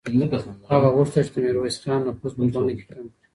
هغه غوښتل چې د میرویس خان نفوذ په ټولنه کې کم کړي.